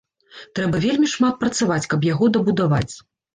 Трэба вельмі шмат працаваць, каб яго дабудаваць!